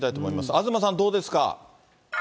東さん、どうですか。